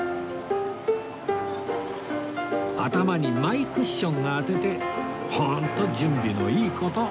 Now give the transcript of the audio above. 頭にマイクッション当ててホント準備のいい事